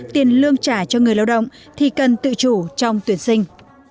tiền lương trả cho người lao động thì cần tự chủ trong tuyển sinh